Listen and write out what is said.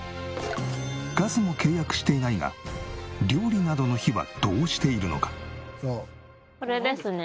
ガスも契約していないが料理などの火はどうしているのか？